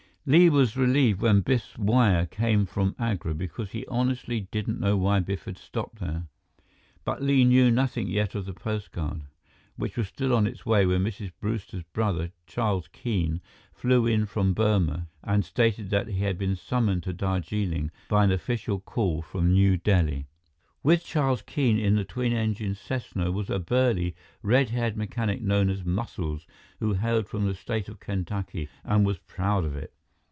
Li was relieved when Biff's wire came from Agra, because he honestly didn't know why Biff had stopped there. But Li knew nothing yet of the postcard, which was still on its way when Mrs. Brewster's brother, Charles Keene, flew in from Burma and stated that he had been summoned to Darjeeling by an official call from New Delhi. With Charles Keene in the twin engine Cessna was a burly, red haired mechanic known as Muscles, who hailed from the State of Kentucky and was proud of it.